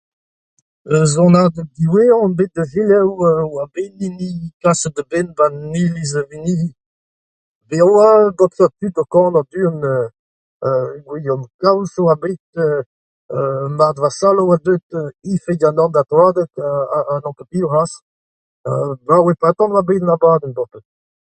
Ur sonadeg diwezhañ oan bet da selaou oa an hini bet kaset da benn 'barzh iliz ar Vinic'hi. Bez e oa ur bochad tud o kanañ du-hont : Guillaume Caous oa bet, Marthe Vassallo oa deuet , Ifig hag Nanda Troadeg ha n'on ket piv c'hoazh. Brav oa bet an abadenn bepred.